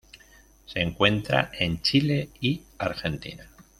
Se encuentra en Chile y Argentina.